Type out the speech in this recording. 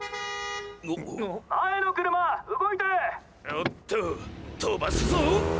おっととばすぞ！